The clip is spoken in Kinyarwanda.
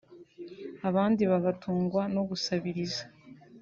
abandi bagatungwa no gusabiriza